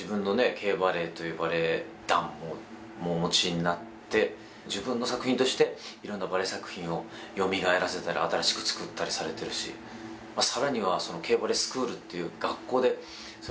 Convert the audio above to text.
Ｋバレエというバレエ団もお持ちになって自分の作品として色んなバレエ作品をよみがえらせたり新しく作ったりされてるしさらにはＫバレエスクールっていう学校で後進っていうんすかね